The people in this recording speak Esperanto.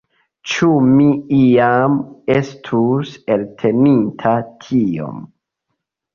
Ĉu mi iam estus elteninta tiom?